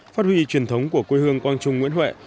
phát huy truyền thống của quê hương quang trung nguyễn huệ